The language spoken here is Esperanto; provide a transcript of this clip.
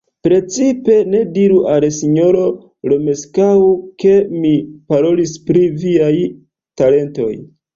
Precipe ne diru al sinjoro Romeskaŭ, ke mi parolis pri viaj talentoj.